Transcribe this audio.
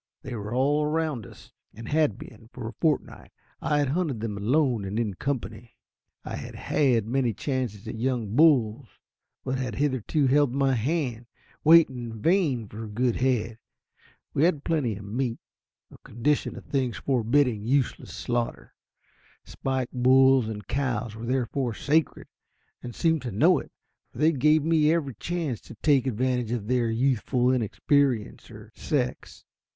They were all round us, and had been for a fortnight. I had hunted them alone and in company. I had had many chances at young bulls, but had hitherto held my hand, waiting in vain for a good head. We had plenty of meat a condition of things forbidding useless slaughter. Spike bulls and cows were therefore sacred, and seemed to know it, for they gave me every chance to take advantage of their youthful inexperience or sex.